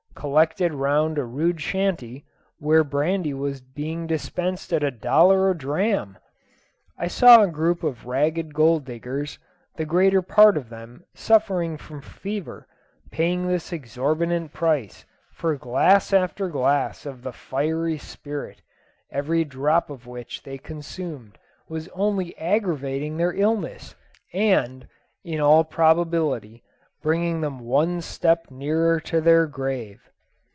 Collected round a rude shanty, where brandy was being dispensed at a dollar a dram! I saw a group of ragged gold diggers, the greater part of them suffering from fever, paying this exorbitant price for glass after glass of the fiery spirit, every drop of which they consumed was only aggravating their illness, and, in all probability, bringing them one step nearer to their grave.